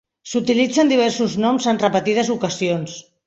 S'utilitzen diversos noms en repetides ocasions.